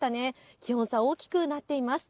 気温差、大きくなっています。